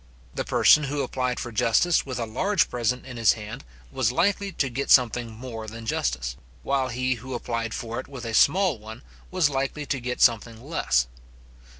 The person who applied for justice with a large present in his hand, was likely to get something more than justice; while he who applied for it with a small one was likely to get something less.